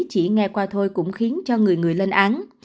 chỉ nghe qua thôi cũng khiến cho người người lên án